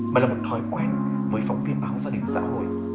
mà là một thói quen với phóng viên báo gia đình xã hội